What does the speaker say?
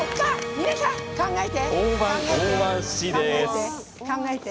皆さん、考えて。